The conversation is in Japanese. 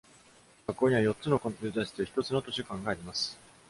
学校には、四つのコンピューター室と一つの図書館があります。